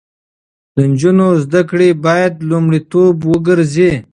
د نجونو زده کړې باید لومړیتوب وګرځي.